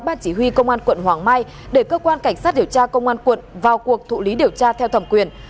ban chỉ huy công an quận hoàng mai để cơ quan cảnh sát điều tra công an quận vào cuộc thụ lý điều tra theo thẩm quyền